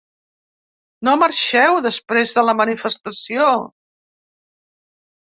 No marxeu després de la manifestació!